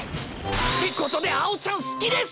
てことでアオちゃん好きです！